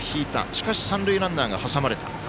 しかし、三塁ランナーがはさまれた。